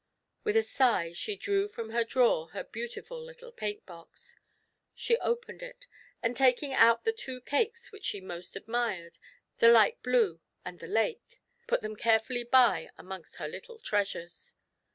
With a sigh she di ew from her drawer her beautiful little paint box. She opened it, and taking out the two cakes which she most admired, the light blue and the lake, put them carefully by amongst her little treasures.